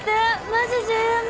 マジＧＭ。